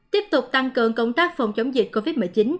tiếp tục tăng cường công tác phòng chống dịch covid một mươi chín